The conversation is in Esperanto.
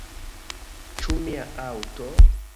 Ĉu mia aŭto?